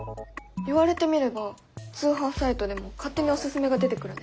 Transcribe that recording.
言われてみれば通販サイトでも勝手におススメが出てくるね。